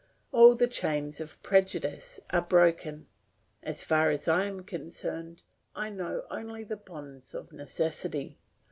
All the chains of prejudice are broken; as far as I am concerned I know only the bonds of necessity.